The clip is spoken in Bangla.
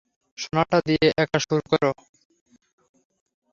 সোনাটা দিয়ে একা সুর ধরো।